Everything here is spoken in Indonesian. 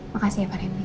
makasih ya pak rendy